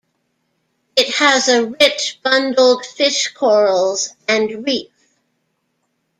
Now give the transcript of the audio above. It has a rich bundled fish corals and reef.